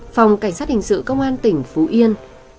phòng cảnh sát hình sự công an tỉnh phú yên